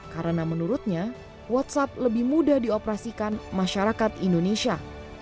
karena menurutnya whatsapp lebih mudah dioperasikan masyarakat indonesia